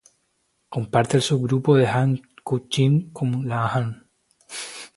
Comparte el subgrupo Han-Kutchin con la Han.